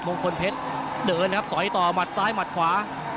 มงคลเพชรเดินครับสอยต่อหมัดซ้ายหมัดขวา